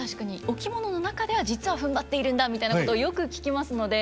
「お着物の中では実はふんばっているんだ」みたいなことをよく聞きますので。